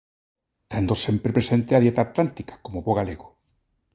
Tendo sempre presente a dieta atlántica, como bo galego.